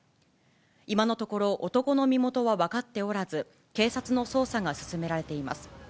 今のところ、男の身元は分かっておらず、警察の捜査が進められています。